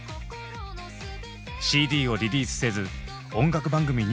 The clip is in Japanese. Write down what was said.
ＣＤをリリースせず音楽番組にも出ない。